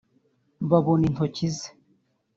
babona intoki ze